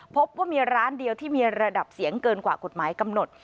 พบว่ามีร้านเดียวที่มีระดับเสียงเกินกว่ากฎหมายกำหนด